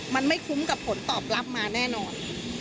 มันไม่คุ้มกับผลตอบรับมาแน่นอน